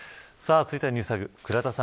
続いてはＮｅｗｓＴａｇ倉田さん